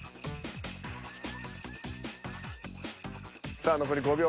さあ残り５秒。